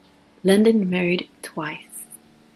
London married twice.